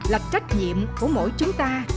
là trách nhiệm của mỗi chúng ta